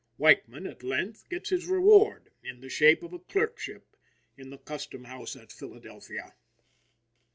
Weichman, at length, gets his reward in the shape of a clerkship in the Custom House at Philadelphia.